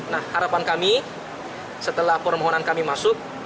nah harapan kami setelah permohonan kami masuk